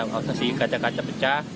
masih kaca kaca pecah